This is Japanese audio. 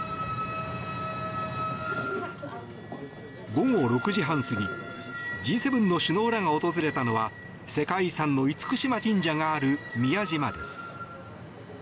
午後６時半過ぎＧ７の首脳らが訪れたのは世界遺産の厳島神社がある宮島です。